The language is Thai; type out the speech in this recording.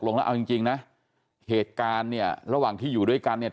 ลงแล้วเอาจริงจริงนะเหตุการณ์เนี่ยระหว่างที่อยู่ด้วยกันเนี่ย